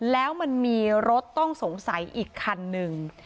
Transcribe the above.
แล้วมีรถสงสัยอีกคันนึง